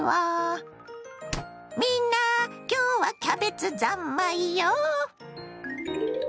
みんな今日はキャベツ三昧よ！